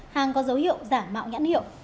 hàng có dấu hiệu giả mạo nhãn hiệu